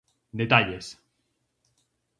Detalles.